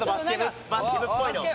バスケ部っぽいの。